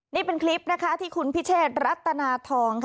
นี่เป็นคลิปที่คุณพิเชษรัตนาทอง